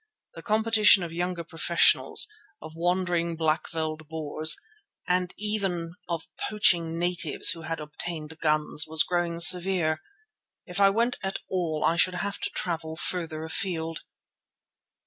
The competition of younger professionals, of wandering backveld Boers and even of poaching natives who had obtained guns, was growing severe. If I went at all I should have to travel farther afield.